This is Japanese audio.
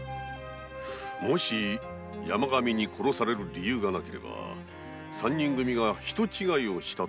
もし山上に殺される理由がなければ三人組が人違いをしたとも考えられますな。